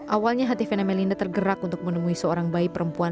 awalnya hati vena melinda tergerak untuk menemui seorang bayi perempuan